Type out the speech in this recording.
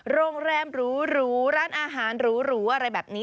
โรงแรมหรูร้านอาหารหรูอะไรแบบนี้